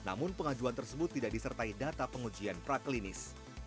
namun pengajuan tersebut tidak disertai data pengujian praklinis